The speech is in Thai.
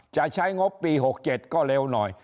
จะใช้งบปี๖๗ก็เร็วหน่อย